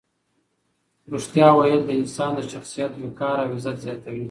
ریښتیا ویل د انسان د شخصیت وقار او عزت زیاتوي.